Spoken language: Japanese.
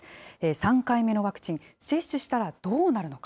３回目のワクチン、接種したらどうなるのか。